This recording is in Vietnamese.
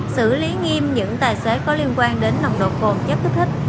xử lý nghiêm những tài xế có liên quan đến nồng độ cồn chất kích thích